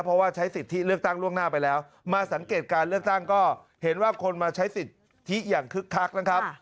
เพราะว่าใช้สิทธิเลือกตั้งล่วงหน้าไปแล้วมาสังเกตการเลือกตั้งก็เห็นว่าคนมาใช้สิทธิอย่างคึกคักนะครับ